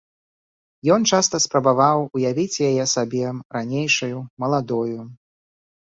Ён часта спрабаваў уявіць яе сабе ранейшаю, маладою.